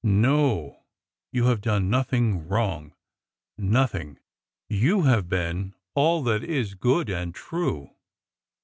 No ! You have done nothing wrong. Nothing! You have been all that is good and true